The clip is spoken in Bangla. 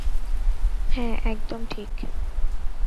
হ্যাঁ, একদম ঠিক।